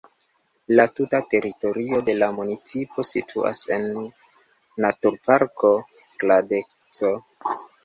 La tuta teritorio de la municipo situas en naturparko Kladecko.